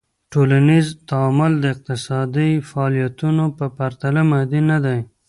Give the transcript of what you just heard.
ټولنیز تعامل د اقتصادی فعالیتونو په پرتله مادي ندي.